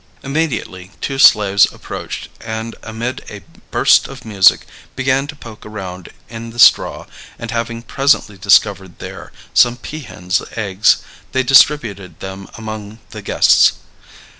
Immediately two slaves approached and amid a burst of music began to poke around in the straw, and having presently discovered there some pea hens' eggs, they distributed them among the guests.